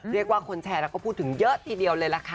เรียกว่าคนแชร์แล้วก็พูดถึงเยอะทีเดียวเลยล่ะค่ะ